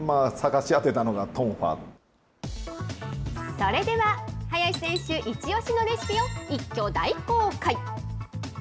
それでは、林選手一押しのレシピを一挙大公開。